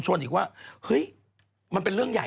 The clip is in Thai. จากธนาคารกรุงเทพฯ